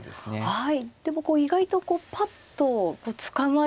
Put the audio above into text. はい。